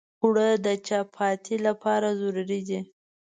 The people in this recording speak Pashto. اوړه د چپاتي لپاره ضروري دي